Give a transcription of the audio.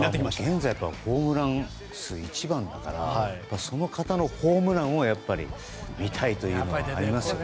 現在ホームラン数一番だからその方のホームランを見たいというのはありますよね。